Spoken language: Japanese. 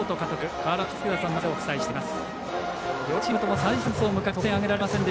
川原崎哲也さんの解説でお伝えしています。